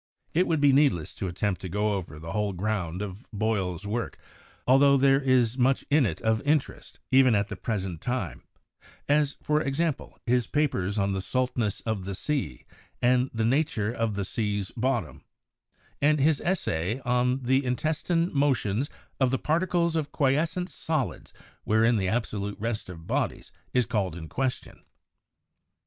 It would be needless to attempt to go over the whole ground of Boyle's work, altho there is much in it of interest even at the present time, as, for example, his papers on the 'Saltness of the Sea,' and the 'Nature of the Sea's Bottom,' and his 'Essay of the Intestine Motions of the Particles of Quiescent Solids wherein the absolute Rest of Bodies is called in question.'